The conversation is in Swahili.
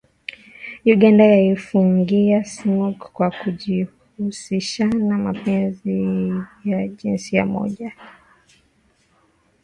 Uganda yaifungia smug kwa kujihusishanna mapenzi ya jinsia moja